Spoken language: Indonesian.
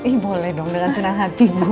ih boleh dong dengan senang hati